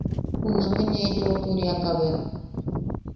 Juname ne yoʼoturiak ka bea.